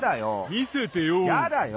みせてよ。